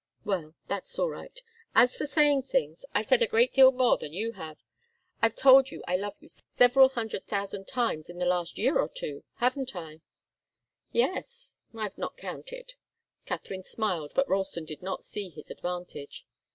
"Well that's all right. As for saying things I've said a great deal more than you have. I've told you I love you several hundred thousand times in the last year or two haven't I?" "Yes I've not counted." Katharine smiled, but Ralston did not see his advantage.